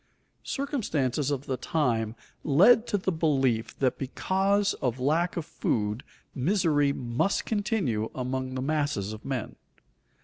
_ Circumstances of the time led to the belief that because of lack of food misery must continue among the masses of men.